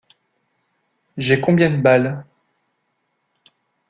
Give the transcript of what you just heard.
J’ai combien de balles?